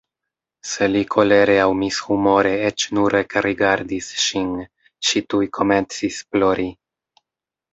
Se li kolere aŭ mishumore eĉ nur ekrigardis ŝin, ŝi tuj komencis plori.